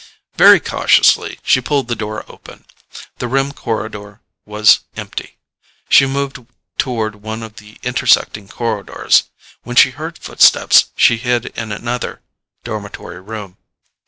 Very cautiously she pulled the door open. The rim corridor was empty. She moved toward one of the intersecting corridors. When she heard footsteps, she hid in another dormitory room.